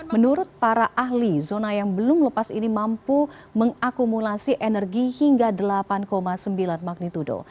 menurut para ahli zona yang belum lepas ini mampu mengakumulasi energi hingga delapan sembilan magnitudo